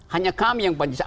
hanya kami yang pancasila